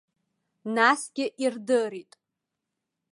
Насгьы ирдырит.